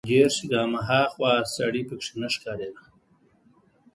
چې دېرش ګامه ها خوا سړى پکښې نه ښکارېده.